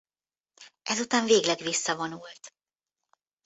Ezután végleg visszavonult.